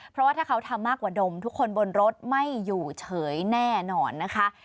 เพราะว่าถ้าเขาทำมากกว่าดมทุกคนบนรถไม่อยู่เฉยแน่นอนนะคะ